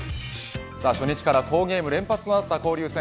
初日から好ゲーム連発となった交流戦